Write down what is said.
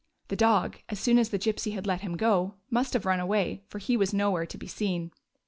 The dog, as soon as the Gypsy had let him go, must have run away, for he was nowhere to be seen.